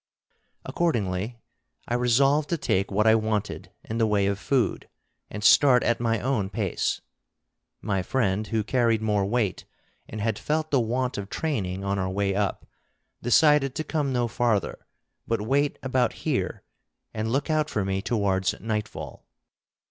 Accordingly I resolved to take what I wanted in the way of food, and start at my own pace. My friend, who carried more weight, and had felt the want of training on our way up, decided to come no farther, but wait about here, and look out for me towards nightfall.